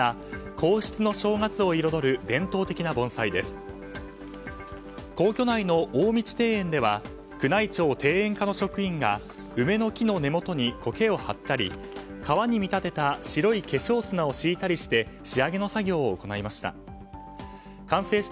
皇居内の大道庭園では宮内庁庭園課の職員が梅の木の根元にコケを張ったり川に見立てた白い化粧砂を敷いたりして仕上げの作業を行いました。